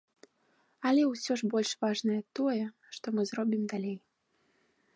Але ўсё ж больш важнае тое, што мы зробім далей.